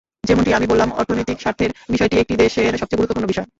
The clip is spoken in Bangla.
যেমনটি আমি বললাম, অর্থনৈতিক স্বার্থের বিষয়টি একটি দেশের সবচেয়ে গুরুত্বপূর্ণ বিষয়।